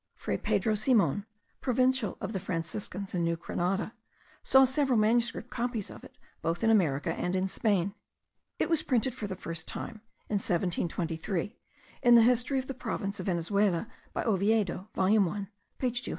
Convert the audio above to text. Fray Pedro Simon, Provincial of the Franciscans in New Grenada, saw several manuscript copies of it both in America and in Spain. It was printed, for the first time, in 1723, in the History of the Province of Venezuela, by Oviedo, volume 1 page 206.